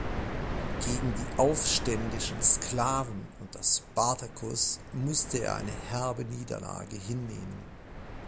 Gegen die aufständischen Sklaven unter Spartacus musste er eine herbe Niederlage hinnehmen.